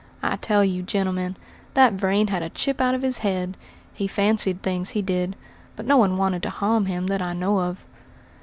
I tell you, gentlemen, that Vrain had a chip out of his head. He fancied things, he did; but no one wanted to harm him that I know of."